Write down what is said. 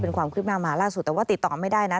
เป็นความคืบหน้ามาล่าสุดแต่ว่าติดต่อไม่ได้นะ